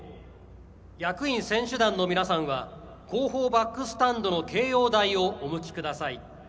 役員・選手団の皆さんは後方バックスタンドの掲揚台をお向きください。